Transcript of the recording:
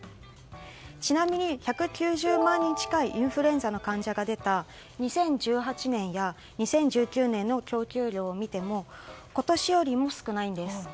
ちなみに１９０万人近いインフルエンザの患者が出た２０１８年や２０１９年の供給料を見ても今年よりも少ないんです。